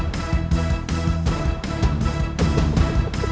pak hasi kasih atas